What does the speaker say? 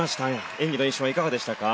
演技の印象はいかがでしたか？